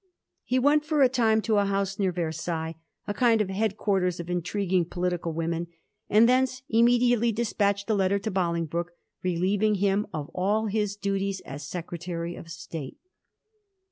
He went for a time to a liouse near Versailles, a kind of head quarters of intriguing political women, and thence immediately despatched a letter to Bolingbroke, relieving him of all his duties as Secretary of State.